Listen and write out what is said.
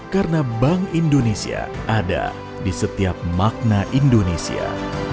karena bank indonesia ada di setiap makna indonesia